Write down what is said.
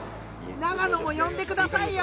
永野も呼んでくださいよ！